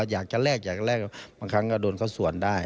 อยากจะแลกบางครั้งก็โดนเขาส่วนได้